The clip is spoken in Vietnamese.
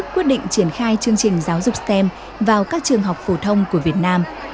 quyết định triển khai chương trình giáo dục stem vào các trường học phổ thông của việt nam